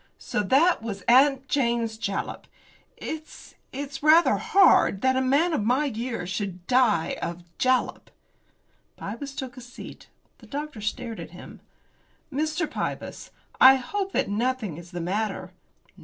"So that was 'Aunt Jane's Jalap.' It's it's rather hard that a man of my years should die of jalap." Pybus took a seat. The doctor stared at him. "Mr. Pybus, I hope that nothing is the matter."